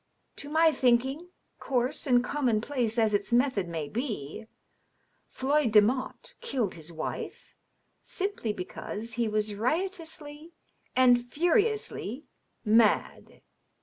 To my thinking, coarse and commonplace as its method may be, Floyd Demotte killed his wife simply because he was riotously and furiously mad."